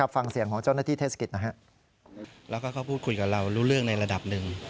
ฟังเสียงของเจ้าหน้าที่เทศกิจนะครับ